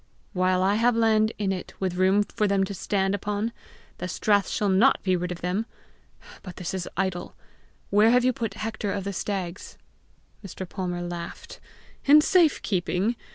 "While I have land in it with room for them to stand upon, the strath shall not be rid of them! But this is idle! Where have you put Hector of the Stags?" Mr. Palmer laughed. "In safe keeping.